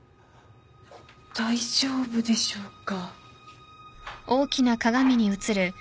大丈夫でしょうか？